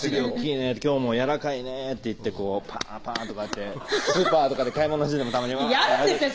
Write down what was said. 「今日もやわらかいね」って言ってこうパンパンとかってスーパーとかで買い物しててもたまにやるんですよ